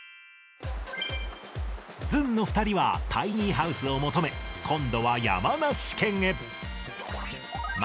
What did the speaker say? ずんの２人はタイニーハウスを求め今度